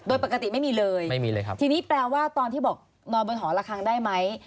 โดยปกติไม่มีเลยไม่มีเลยครับทีนี้แปลว่าตอนที่บอกนอนบนหอละครั้งได้ไหม